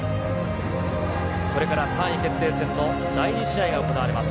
これから３位決定戦の第２試合が行われます。